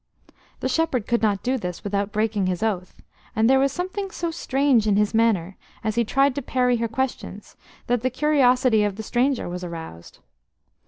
The shepherd could not do this without breaking his oath, and there was something so strange in his manner as he tried to parry her questions that the curiosity of the stranger was aroused.